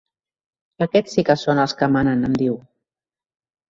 Aquests sí que són dels que manen —em diu—.